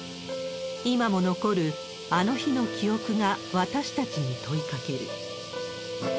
今も残る、あの日の記憶が私たちに問いかける。